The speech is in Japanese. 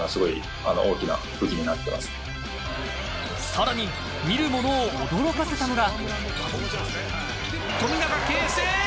さらに、見る者を驚かせたのが。